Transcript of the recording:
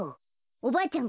おばあちゃん